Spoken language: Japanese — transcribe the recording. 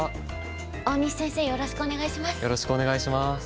大西先生よろしくお願いします。